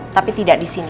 tapi tidak di sini